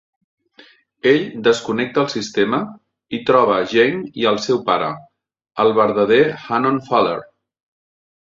Ell desconnecta el sistema i troba Jane i el seu pare, el verdader Hannon Fuller.